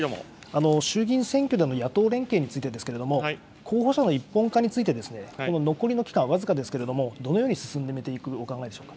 衆議院選挙での野党連携についてですけれども、候補者の一本化について、この残りの期間、僅かですけれども、どのように進めていくお考えでしょうか。